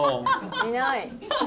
いない。